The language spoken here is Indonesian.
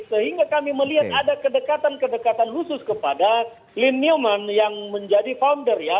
sehingga kami melihat ada kedekatan kedekatan khusus kepada lin newman yang menjadi founder ya